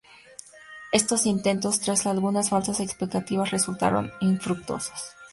Estos intentos, tras algunas falsas expectativas, resultaron infructuosos.